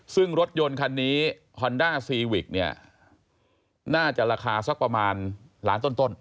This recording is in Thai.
ซึ่งรถยนต์คันนี้ฮอนด้าซีวิกเนี่ยน่าจะราคาสักประมาณล้านต้น